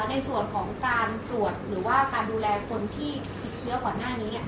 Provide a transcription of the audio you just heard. ในส่วนของการตรวจหรือว่าการดูแลคนที่ติดเชื้อก่อนหน้านี้